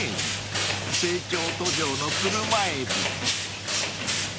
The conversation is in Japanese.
［成長途上のクルマエビ］